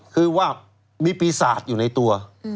คือว่ามีปีศาจอยู่ในตัว